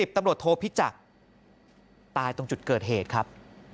ตำรวจโทพิจักรตายตรงจุดเกิดเหตุครับ